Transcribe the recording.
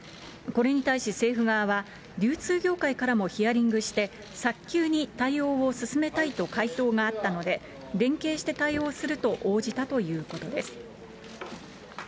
これに対し政府側は、流通業界からもヒアリングして、早急に対応を進めたいと回答があったので、連携して対応すると応じたということです。